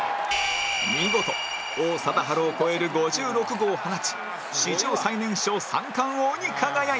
見事王貞治を超える５６号を放ち史上最年少三冠王に輝いた